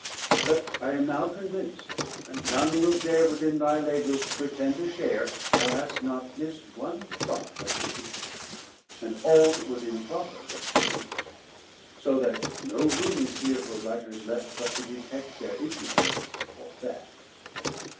But I am now convinc'd, and none will dare Within thy Labours to pretend a share, Thou hast not miss'd one thought that could be fit, And all that was improper dost omit: So that no room is here for Writers left, But to detect their Ignorance or Theft.